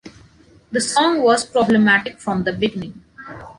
The song was problematic from the beginning.